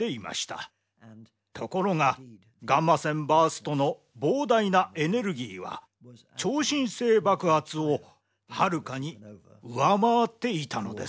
ところがガンマ線バーストの膨大なエネルギーは超新星爆発をはるかに上回っていたのです。